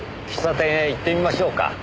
喫茶店へ行ってみましょうか。